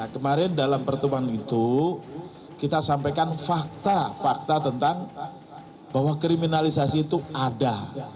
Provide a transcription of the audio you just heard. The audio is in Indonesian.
kemarin dalam pertemuan itu kita sampaikan fakta fakta tentang bahwa kriminalisasi itu ada